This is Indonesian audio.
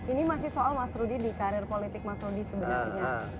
ini masih soal mas rudy di karir politik mas rudi sebenarnya